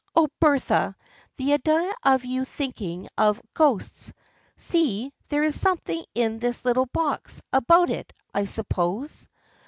" Oh, Bertha ! The idea of your thinking of ghosts ! See, there is something in this little box about it, I suppose."